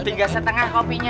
tinggal setengah kopinya